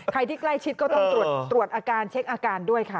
ที่ใกล้ชิดก็ต้องตรวจอาการเช็คอาการด้วยค่ะ